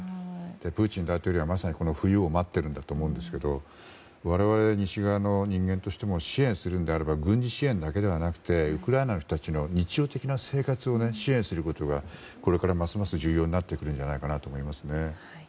プーチン大統領は、まさに冬を待っているんだと思いますが我々、西側の人間としても支援するのであれば軍事支援だけでなくてウクライナの人たちの日常的な生活を支援することがこれから、ますます重要になってくると思いますね。